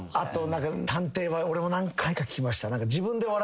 探偵は俺も何回か聞きました。